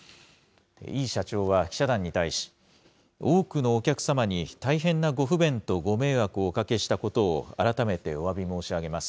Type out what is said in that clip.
井伊社長は記者団に対し、多くのお客様に大変なご不便とご迷惑をおかけしたことを改めておわび申し上げます。